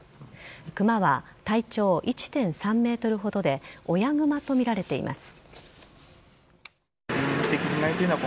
クマは体長１．３ｍほどで親グマとみられています。